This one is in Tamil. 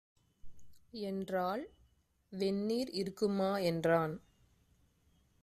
என்றாள். "வெந்நீர் இருக்குமா" என்றான்.